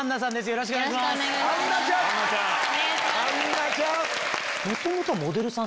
よろしくお願いします。